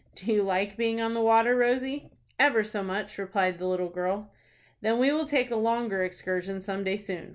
"Do you like being on the water, Rosie?" "Ever so much," replied the little girl. "Then we will take a longer excursion some day soon.